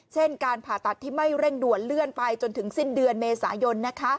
การผ่าตัดที่ไม่เร่งด่วนเลื่อนไปจนถึงสิ้นเดือนเมษายน